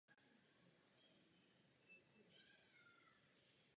Začal hrát v divadle.